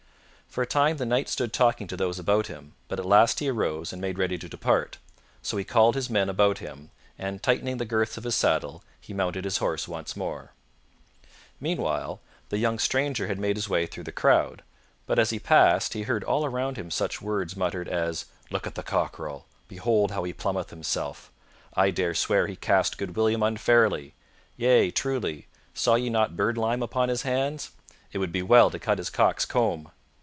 For a time the Knight stood talking to those about him, but at last he arose and made ready to depart, so he called his men about him and, tightening the girths of his saddle, he mounted his horse once more. Meanwhile the young stranger had made his way through the crowd, but, as he passed, he heard all around him such words muttered as "Look at the cockerel!" "Behold how he plumeth himself!" "I dare swear he cast good William unfairly!" "Yea, truly, saw ye not birdlime upon his hands?" "It would be well to cut his cock's comb!"